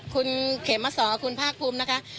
คุณเขมสอนคุณภาคภูมินะคะ